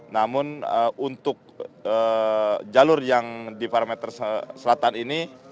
namun untuk jalur yang di parameter selatan ini